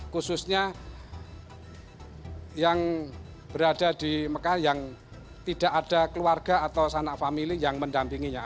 khususnya yang berada di mekah yang tidak ada keluarga atau sanak famili yang mendampinginya